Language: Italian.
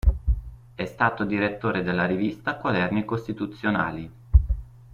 È stato direttore della Rivista “Quaderni costituzionali.